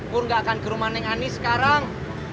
gue nggak akan ke rumah neng ani sekarang